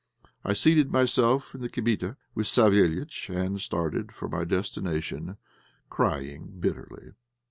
I seated myself in the kibitka with Savéliitch, and started for my destination, crying bitterly.